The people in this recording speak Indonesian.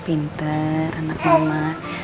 pinter anak mama